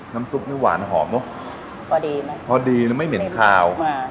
น้ำซุปนี่หวานหอมเนอะพอดีไม่เหม็นขาว